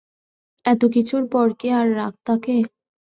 এতোকিছুর পর কি আর রাগ থাকে!